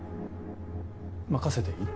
任せていい？